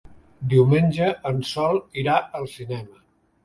Diumenge en Sol irà al cinema.